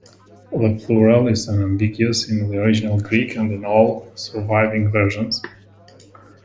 The plural is unambiguous in the original Greek and in all surviving versions.